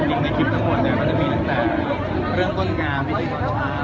ในคลิปทั้งหมดเนี่ยมันจะมีตั้งแต่เริ่มต้นงานพิธีตอนเช้า